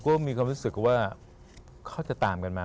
ก็มีความรู้สึกว่าเขาจะตามกันมา